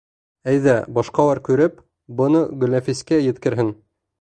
Әйҙә, башҡалар күреп, быны Гөлнәфискә еткерһен!